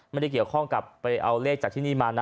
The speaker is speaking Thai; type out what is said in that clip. ไม่ได้เกี่ยวข้องกับไปเอาเลขจากที่นี่มานะ